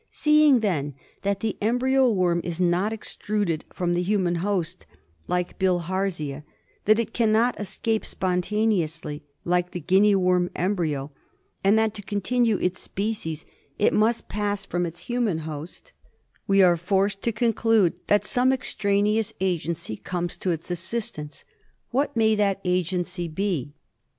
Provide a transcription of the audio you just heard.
Seeing then that the embryo worm is not extruded from the human host like Bilharzia, that it cannot escape spontaneously like the Guinea worm embryo, and that to continue its species it must pass from its human host, we are forced to conclude that some extraneous agency comes to its assistance. What may that agency be